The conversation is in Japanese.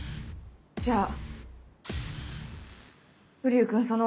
じゃあ瓜生君そのお金。